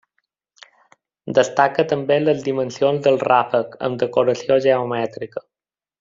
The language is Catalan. Destaca també les dimensions del ràfec, amb decoració geomètrica.